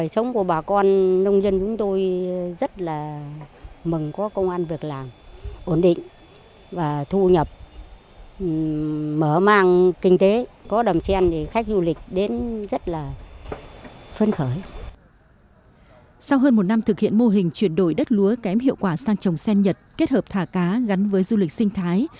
sau hơn một năm thực hiện mô hình chuyển đổi đất lúa kém hiệu quả sang trồng sen nhật kết hợp thả cá gắn với du lịch sinh thái